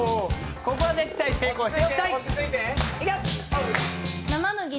ここは絶対成功しておきたい！